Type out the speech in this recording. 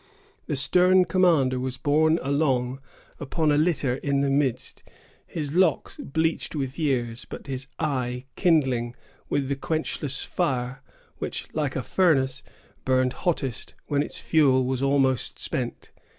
The stern commander was borne along upon a litter in the midst, his locks bleached with years, but his eye kindling with the quenchless fire which, like a furnace, burned hottest when its fuel was almost spent.